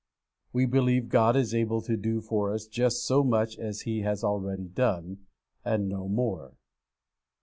We believe God is able to do for us just so much as He has already done, and no more.